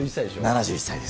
７１歳です。